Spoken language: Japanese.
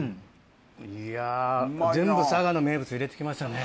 いや全部佐賀の名物入れて来ましたね。